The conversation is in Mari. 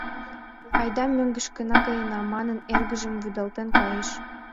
Айда мӧҥгышкына каена, — манын, эргыжым вӱдалтен кайыш.